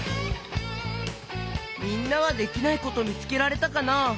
みんなはできないことみつけられたかな？